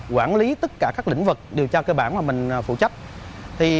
quản lý tất cả các lĩnh vực điều tra cơ bản mà mình phụ trách